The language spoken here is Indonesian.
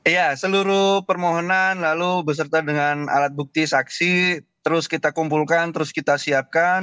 ya seluruh permohonan lalu beserta dengan alat bukti saksi terus kita kumpulkan terus kita siapkan